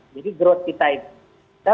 jadi growth kita itu